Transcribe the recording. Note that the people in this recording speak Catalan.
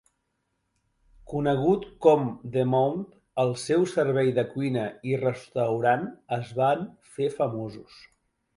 Conegut com "The Mount", el seu servei de cuina i restaurant es van fer famosos.